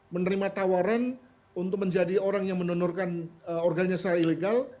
menerima tawaran untuk menjadi orang yang menonorkan organnya secara ilegal